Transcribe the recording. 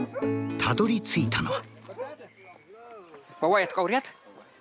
たどりついたのは。